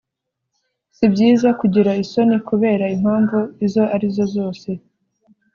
si byiza kugira isoni kubera impamvu izo ari zo zose,